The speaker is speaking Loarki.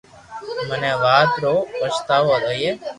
مني آ وات رو پچتاوہ ھيي